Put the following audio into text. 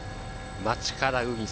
街から海。